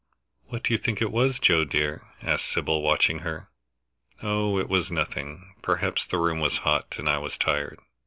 "What do you think it was, Joe, dear?" asked Sybil, watching her. "Oh, it was nothing. Perhaps the room was hot, and I was tired."